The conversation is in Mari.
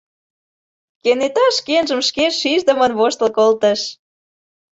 Кенета шкенжым шке шиждымын воштыл колтыш.